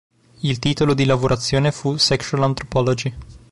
Il titolo di lavorazione fu "Sexual Anthropology".